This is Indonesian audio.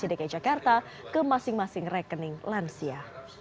dki jakarta ke masing masing rekening lansia